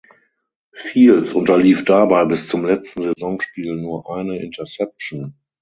Fields unterlief dabei bis zum letzten Saisonspiel nur eine Interception.